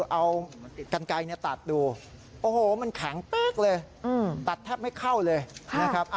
เอากันไกลตัดดูโอ้โหมันแข็งเป๊กเลยตัดแทบไม่เข้าเลยนะครับ